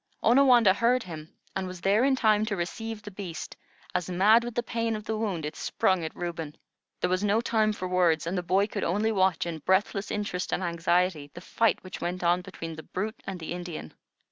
Onawandah heard him, and was there in time to receive the beast, as, mad with the pain of the wound, it sprung at Reuben. There was no time for words, and the boy could only watch in breathless interest and anxiety the fight which went on between the brute and the Indian.